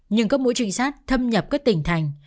nhưng các mũi trinh sát thâm nhập các tỉnh thành